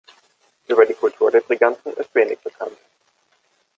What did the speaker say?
Über die Kultur der Briganten ist wenig bekannt.